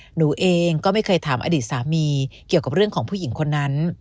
หนูเองก็ไม่เคยถามอดีตสามีเกี่ยวกับเรื่องของผู้หญิงคนนั้น